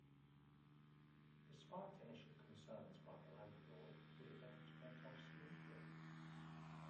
Despite initial concerns by the landlord, the event went off smoothly.